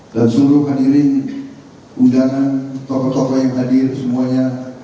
dan seluruh hadirin udara tokoh tokoh yang hadir semuanya